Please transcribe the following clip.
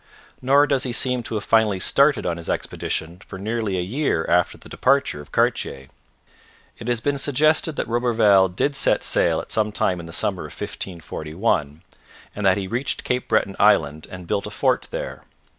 Nor does he seem to have finally started on his expedition for nearly a year after the departure of Cartier. It has been suggested that Roberval did set sail at some time in the summer of 1541, and that he reached Cape Breton island and built a fort there.